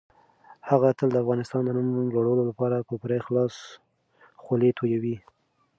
هغه تل د افغانستان د نوم لوړولو لپاره په پوره اخلاص خولې تويوي.